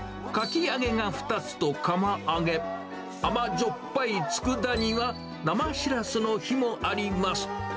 かき揚げが２つと釜揚げ、甘じょっぱい佃煮は、生シラスの日もあります。